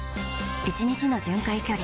１日の巡回距離